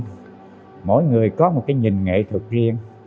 khi mỗi người có một cái nhìn